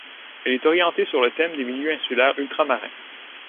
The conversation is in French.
Elle est orientée sur le thème des Milieux insulaires ultra-marins.